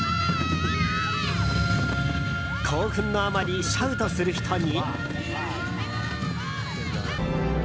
興奮のあまりシャウトする人に。